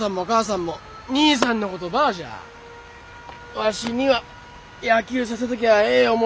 わしには野球させときゃあええ思